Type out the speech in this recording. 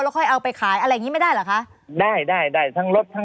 แล้วค่อยเอาไปขายอะไรอย่างนี้ไม่ได้หรือคะ